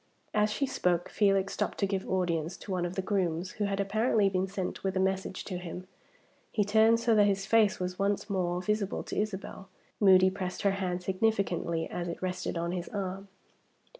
As she spoke, Felix stopped to give audience to one of the grooms, who had apparently been sent with a message to him. He turned so that his face was once more visible to Isabel. Moody pressed her hand significantly as it rested on his arm.